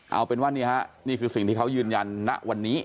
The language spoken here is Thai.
เอาเป็นว่านี่ฮะนี่คือสิ่งที่เขายืนยันณวันนี้